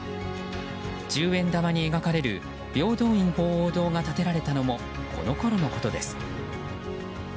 十円玉に描かれる平等院鳳凰堂が建てられたのもこのころのことです。